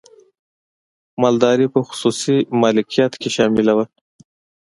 مالداري په خصوصي مالکیت کې شامله وه.